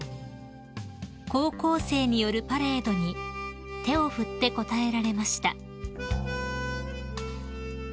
［高校生によるパレードに手を振って応えられました］